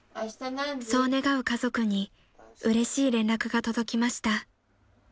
［そう願う家族にうれしい連絡が届きました］